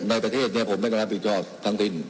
ในประเทศเนี้ยผมไม่ก็รับผิดจอดทั้งทิน